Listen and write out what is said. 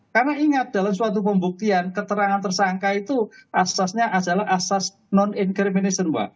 karena ingat dalam suatu pembuktian keterangan tersangka itu asasnya adalah asas non incrimination